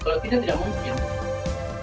kalau tidak tidak mungkin